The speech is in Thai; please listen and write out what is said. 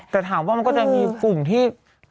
แต่ถามว่ามันก็จะมีกลุ่มที่